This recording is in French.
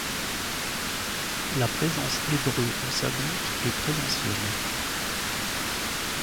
La présence hébreu à Sagonte est très ancienne.